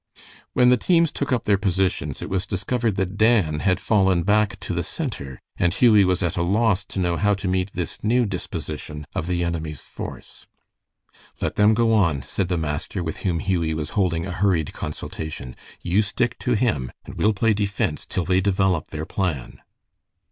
When the teams took up their positions, it was discovered that Dan had fallen back to the center, and Hughie was at a loss to know how to meet this new disposition of the enemy's force. "Let them go on," said the master, with whom Hughie was holding a hurried consultation. "You stick to him, and we'll play defense till they develop their plan."